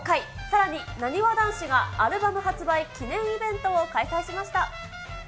さらに、なにわ男子がアルバム発売記念イベントを開催しました。